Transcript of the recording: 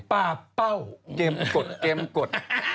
ป้าเป้าเกมกดเกมกด